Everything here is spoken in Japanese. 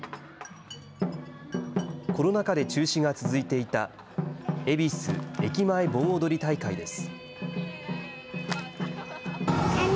コロナ禍で中止が続いていた、恵比寿駅前盆踊り大会です。